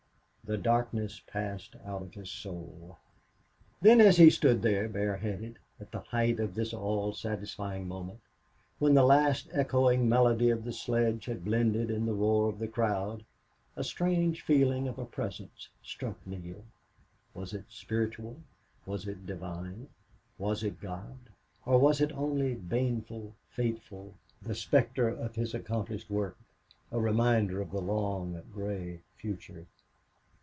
The darkness passed out of his soul. Then, as he stood there, bareheaded, at the height of this all satisfying moment, when the last echoing melody of the sledge had blended in the roar of the crowd, a strange feeling of a presence struck Neale. Was it spiritual was it divine was it God? Or was it only baneful, fateful the specter of his accomplished work a reminder of the long, gray future?